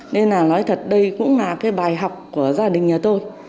nên là nói thật đây cũng là cái bài học của gia đình nhà tôi